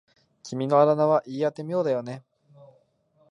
彼のあだ名は言い得て妙だよね。